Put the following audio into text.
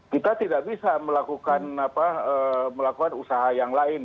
kita tidak bisa melakukan usaha yang lain